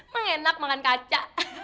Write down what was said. mengenak makan kaca